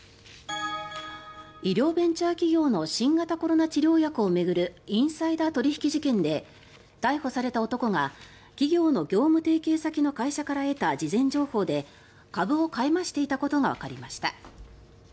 医療ベンチャー企業の新型コロナ治療薬を巡るインサイダー取引事件で逮捕された男が企業の業務提携先の会社から得た事前情報で株を買い増していたことがわかりました。